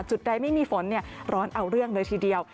จุดใดไม่มีฝนร้อนเอาเรื่องเลยทีเดียว